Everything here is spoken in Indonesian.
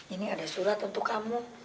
ini ada surat untuk kamu